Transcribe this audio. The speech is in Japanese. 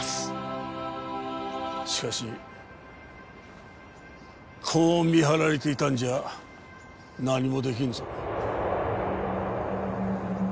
しかしこう見張られていたんじゃ何もできんぞ。